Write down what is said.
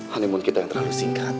honeymone kita yang terlalu singkat